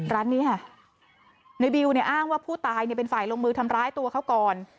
ร้านนี้ค่ะในบิวเนี่ยอ้างว่าผู้ตายเป็นฝ่ายลงมือทำร้ายตัวเขาก่อน